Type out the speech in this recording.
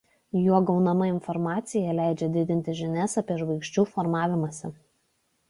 Juo gaunama informacija leidžia didinti žinias apie žvaigždžių formavimąsi.